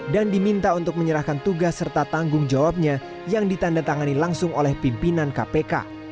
dan diminta untuk menyerahkan tugas serta tanggung jawabnya yang ditandatangani langsung oleh pimpinan kpk